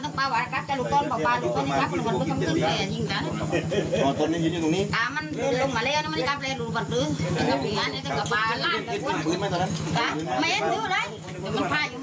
กุมภาพอยู่มุ่งซากเอาไม่ได้เลย